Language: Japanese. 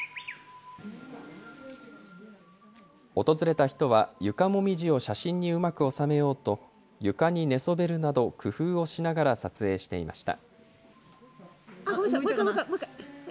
訪れた人は床もみじを写真にうまく収めようと床に寝そべるなど工夫をしながら撮影していました。